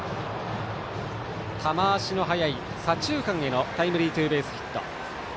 球足の速い左中間へのタイムリーツーベースヒット。